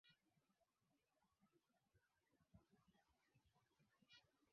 Nitamalizia kumbukumbu yangu ya hayati Lumumba kwa hadithi niliyohadithiwa na marehemu Kanyama Chiume